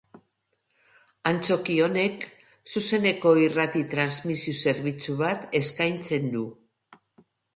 Antzoki honek, zuzeneko irrati transmisio zerbitzu bat eskaintzen du.